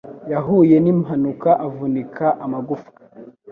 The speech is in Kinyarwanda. Yahuye nimpanuka avunika amagufwa.